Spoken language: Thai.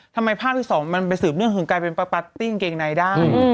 ทำไมภาพที่สองมันไปสืบเนื่องถึงกลายเป็นปาร์ตติ้งเกงในได้